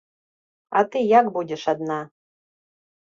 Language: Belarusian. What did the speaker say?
А ты як будзеш адна?